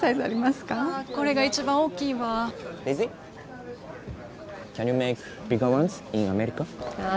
あこれが一番大きいわあ。